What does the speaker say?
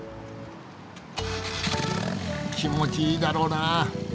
気持ちいいだろうなあ。